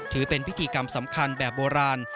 ถือเป็นพิธีกรรมสำคัญแบบโบราณ